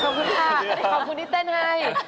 ขอบคุณค่ะขอบคุณที่เต้นให้